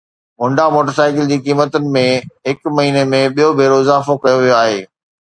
Honda موٽرسائيڪلن جي قيمتن ۾ هڪ مهيني ۾ ٻيو ڀيرو اضافو ڪيو ويو آهي